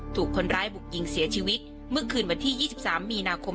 ถูกคนร้ายบุกยิงเสียชีวิตเมื่อคืนวันที่๒๓มีนาคม